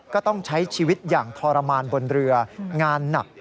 ก็ต้องใช้ชีวิตอย่างทรมานบนเรืองานหนัก